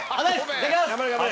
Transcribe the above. いただきます！